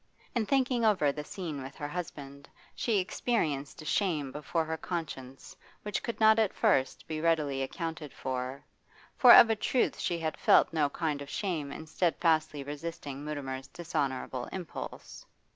In thinking over the scene with her husband she experienced a shame before her conscience which could not at first be readily accounted for, for of a truth she had felt no kind of shame in steadfastly resisting Mutimer's dishonourable impulse.